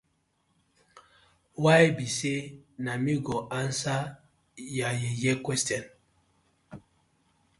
Why bi say na mi go answering yah yeye questioning.